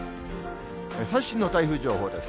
最新の台風情報です。